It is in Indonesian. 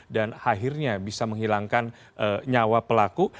dan akhirnya bisa menghilangkan nyawa pelaku